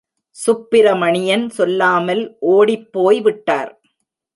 சுப்பிரமணியன் சொல்லாமல் ஒடிப்போய் விட்டார்.